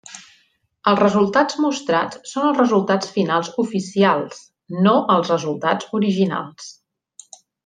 Els resultats mostrats són els resultats finals oficials, no els resultats originals.